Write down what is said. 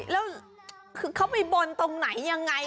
แล้วแกะเขาไปบนนี้ตรงไหนยังไง